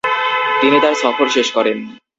তিনি তার সফর শেষ করেন।